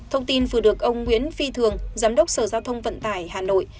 thông tin vừa được ông nguyễn phi thường giám đốc sở giao thông vận tải hà nội